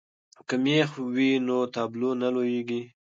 که مېخ وي نو تابلو نه لویږي.